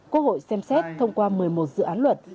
quốc hội xem xét thông qua một mươi một dự án luật